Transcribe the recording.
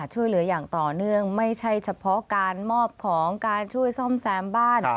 ช่วยเหลืออย่างต่อเนื่องไม่ใช่เฉพาะการมอบของการช่วยซ่อมแซมบ้าน